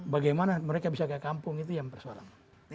bagaimana mereka bisa ke kampung itu yang persoalan